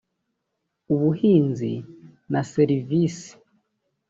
ubuhinzi na serivisi